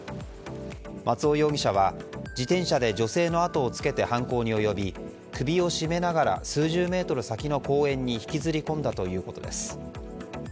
松尾容疑者は、自転車で女性の後をつけて犯行に及び首を絞めながら数十メートル先の公園に引きずり込んだということです。